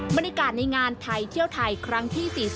บรรยากาศในงานไทยเที่ยวไทยครั้งที่๔๐